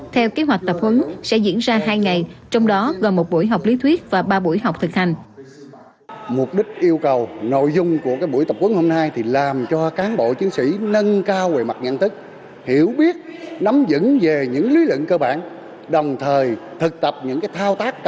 theo kế hoạch tập huấn sẽ diễn ra hai ngày trong đó gồm một buổi học lý thuyết và ba buổi học thực hành